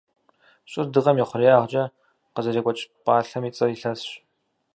Щӏыр Дыгъэм и хъуреягъкӏэ къызэрекӏуэкӏ пӏалъэм и цӏэр илъэсщ.